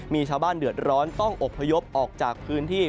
มีชาวบ้านเดือดร้อนต้องอบพยพออกจากพื้นที่